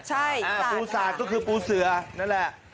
ใช่ปูสาดก็คือปูเสือนั่นแหละ